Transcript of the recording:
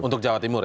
untuk jawa timur ya